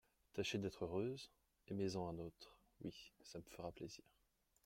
Tâchez d'être heureuse, aimez-en un autre ; oui, ça me fera plaisir.